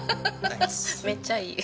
めっちゃいい。